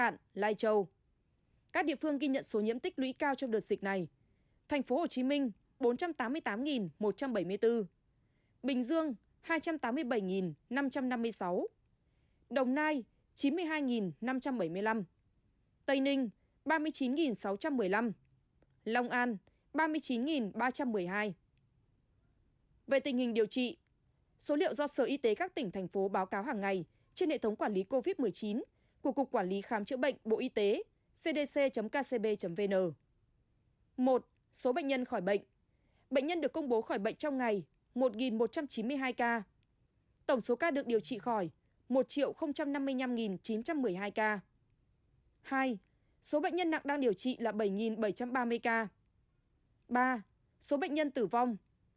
các địa phương ghi nhận số ca nhiễm giảm nhiều nhất so với những địa phương ghi nhận số ca nhiễm